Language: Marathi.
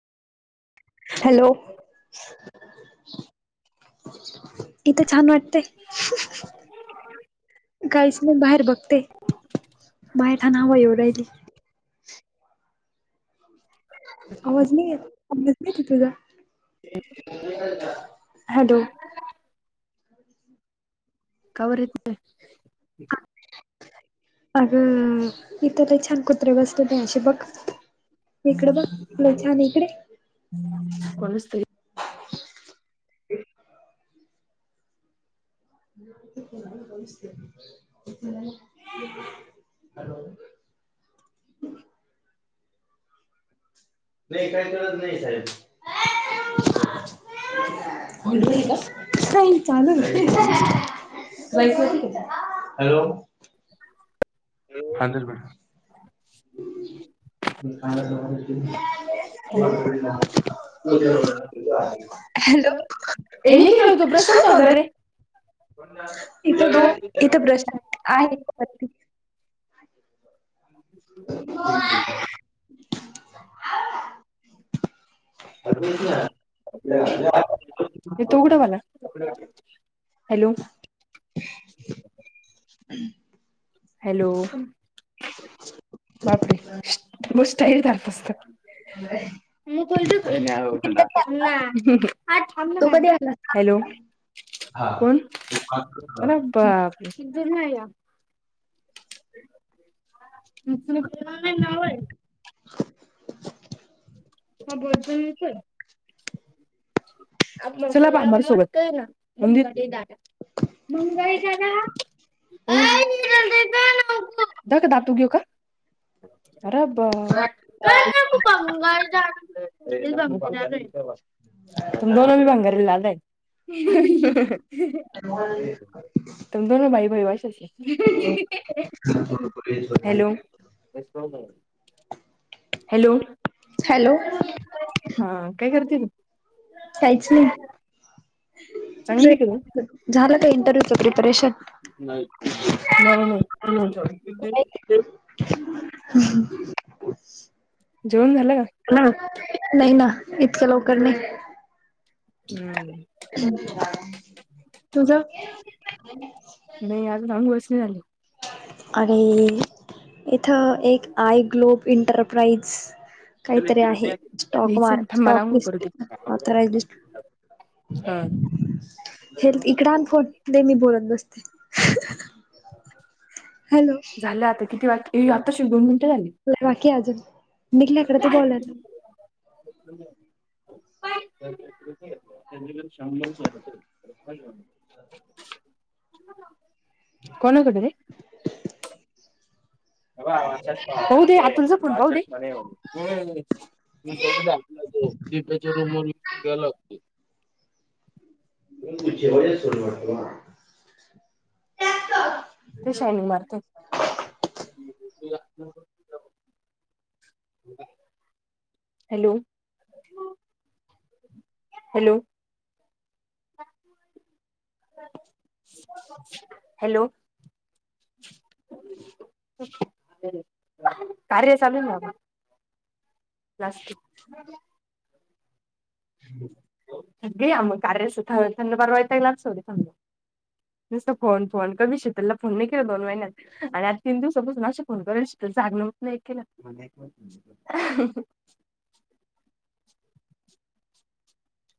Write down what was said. हॅलो, इथं छान वाटतेय. काहीच मी बाहेर बघते बाहेर ना हवा येवून राहिली आवाज नाही येत तुझा हॅलो [unintelligible] का बर येत नाही अगं इथ तिथ लई छान कुत्र बसलय [unintelligible] बघ इकडं बघ लई छान आहे इकड ये [unintelligible] [unintelligible] [unintelligible] नाही काय कळत नाही साहेब [unintelligible] [unintelligible] नाही चालू आहे [unintelligible] हॅलो! [inaudible] हॅलो! [unintelligible] हॅलो [unintelligible] हॅलो हे निखिल तो ब्रश कुठं ठेवला रे [unintelligible] इथ तो इथं बस शांत आहे इथ [unintelligible] [unintelligible] तू [unintelligible] तू कुठंवाला हॅलो? [inaudible] हॅलो! बापरे! [unintelligible] [unintelligible] [unintelligible] आई थांब ना ग कधी हॅलो! आलास? हा कोण? अरे! बापरे! [unintelligible] [unintelligible] नाव आहे [unintelligible] [unintelligible] चला बाबांसंग [unintelligible] [unintelligible] का दात घेऊ का? अरे बापरे! ! [unintelligible] [unintelligible] तुम दोन बांंगर ला [unintelligible] हं हां [unintelligible] हॅलो! हॅलो! हॅलो! हा काय करते तू कायच नाही चांगली का तू झालं का? इंटरव्ह्यूच प्रिपरेशन नाही नाही [unintelligible] हम जेवण झालं का? ह नाही ना इतकं लवकर नाही का [unintelligible] तुझं नाही अजून [unintelligible] वसणी आले आणि इथं एक आय ग्लोब इंटरप्राईज काहीतरी आहे स्टॉक घ्यायची वार ना थांब मला स्टॉकिस्ट [unintelligible] थरा [unintelligible] हा हेल् इकड आण फोन ते मी बोलत बसते हॅलो झालं आता किती वाज आताशी दोन मिनिटं झाली बाकी अजून निघल्याकडे ते बॉलर [unintelligible] [unintelligible] कोण होतं रे होऊदे आणि तुझ पण राहुदे. हो मी दकला तो डीपेच्या रूम वून घ्यायला लागतो. [inaudible] ते शायनिंग मारते. [inaudible] Hello, hello. हॅलो. कार्य चाल ना. प्लास्टिक. गे मग कार्य सु थंड बरवायता लागतो र थंड. नसत फोन फोन कमी शेतला फोन नाही केला दोन महिन्यात. आणि आज तीन दिवसपासून असे फोन करयला श जागण होत नाही केला.